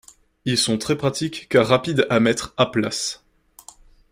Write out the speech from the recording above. Ils sont très pratiques, car rapides à mettre à place.